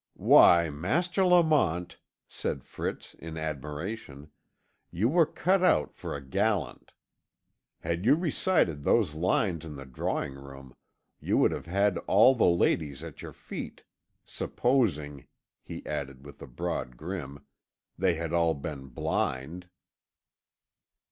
"Why, Master Lamont," said Fritz in admiration, "you were cut out for a gallant. Had you recited those lines in the drawing room, you would have had all the ladies at your feet supposing," he added, with a broad grin, "they had all been blind."